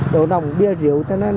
đồ nồng bia rượu